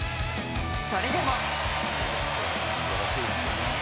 それでも。